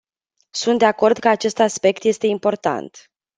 Sunt de acord că acest aspect este important.